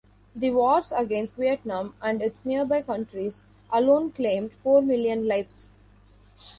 The wars against Vietnam and its nearby countries alone claimed four million lives.